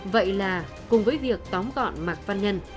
vậy là cùng với việc tóm gọn văn nhân